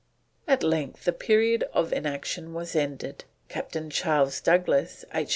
At length the period of inaction was ended. Captain Charles Douglas, H.